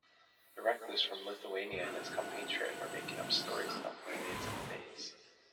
The recluse from Lithuania and his compatriot were making up stories about mermaids and fays.